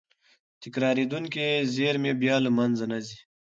تکرارېدونکې زېرمې بیا له منځه نه ځي.